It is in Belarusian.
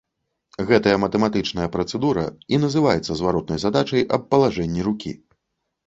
Гэтая матэматычная працэдура і называецца зваротнай задачай аб палажэнні рукі.